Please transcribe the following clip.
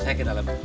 saya kita lempar